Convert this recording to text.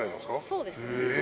そうです。